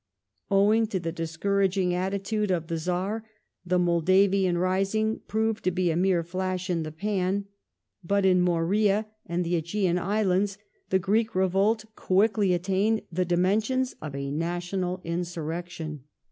Owing to the discouraging attitude of the Czar, the Moldavian rising proved to be a mere flash in the pan. But in the Morea and the ^Egean Islands the Greek revolt quickly attained the dimensions of a national insurrection.